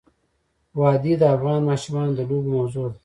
وادي د افغان ماشومانو د لوبو موضوع ده.